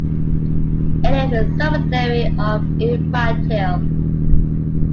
It is a subsidiary of Infratil.